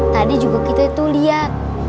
tadi juga kita tuh liat